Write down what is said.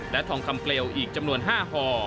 และทองคำเปลวอีกจำนวน๕ห่อ